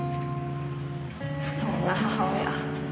そんな母親